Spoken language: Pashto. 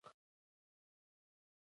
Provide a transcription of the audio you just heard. د نوښت په لټه کې باید لار ورکه نه کړو.